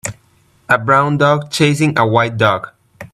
A brown dog chasseing a white dog.